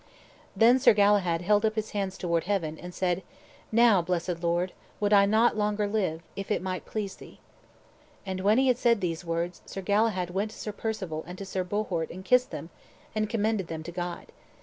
Then Sir Galahad held up his hands toward heaven, and said, "Now, blessed Lord, would I not longer live, if it might please thee." And when he had said these words, Sir Galahad went to Sir Perceval and to Sir Bohort and kissed them, and commended them to God.